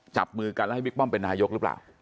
จับมือกันแล้วให้บิ๊กป้อมเป็นนายกหรือเปล่า